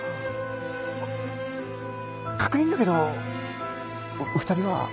確認だけど２人は。